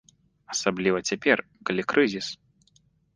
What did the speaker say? Асабліва цяпер, калі крызіс.